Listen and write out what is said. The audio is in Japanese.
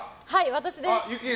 私です！